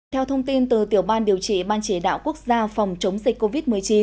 theo thông tin từ tiểu ban điều trị ban chỉ đạo quốc gia phòng chống dịch covid một mươi chín